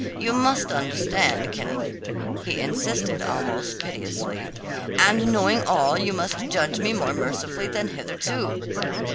You must understand, Kenneth," he insisted almost piteously, "and knowing all, you must judge me more mercifully than hitherto."